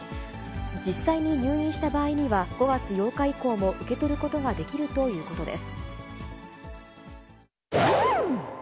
実際に入院した場合には、５月８日以降も受け取ることができるということです。